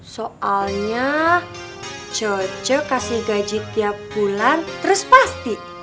soalnya cocok kasih gaji tiap bulan terus pasti